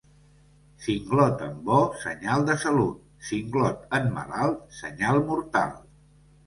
Singlot en bo, senyal de salut; singlot en malalt, senyal mortal.